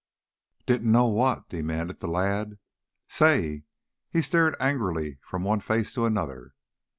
"Didn't know what?" demanded the lad. "Say " He stared angrily from one face to another.